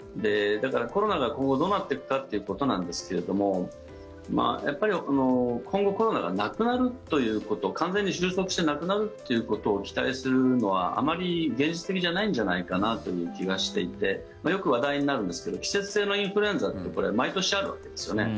だから、コロナが今後どうなっていくかということなんですけれどもやっぱり今後コロナがなくなるということ完全に収束してなくなるということを期待するのはあまり現実的じゃないんじゃないかなという気がしていてよく話題になるんですけど季節性のインフルエンザってこれ、毎年あるわけですよね。